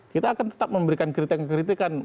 kita akan tetap memberikan kritikan kritikan